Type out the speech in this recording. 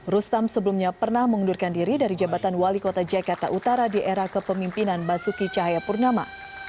rustam sebelumnya pernah mengundurkan diri dari jabatan wali kota jakarta utara di era kepemimpinan basuki cahayapurnama